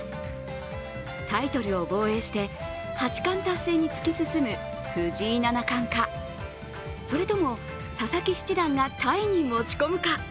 タイトルを防衛して八冠達成に突き進む藤井七冠か、それとも、佐々木七段がタイに持ち込むか。